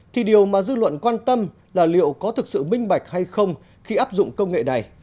thì điều mà dư luận quan tâm là liệu có thực sự minh bạch hay không khi áp dụng công nghệ này